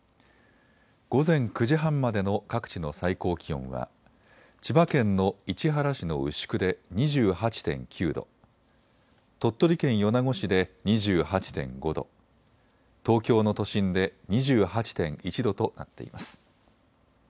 午前９時半までの各地の最高気温は千葉県の市原市の牛久で２８．９度、鳥取県米子市で２８．５度、東京の都心で２８．１度となっています。